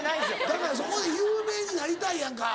だからそこで有名になりたいやんか。